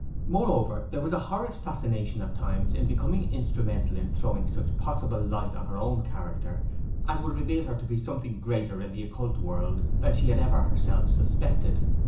Moreover, there was a horrid fascination at times in becoming instrumental in throwing such possible light on her own character as would reveal her to be something greater in the occult world than she had ever herself suspected.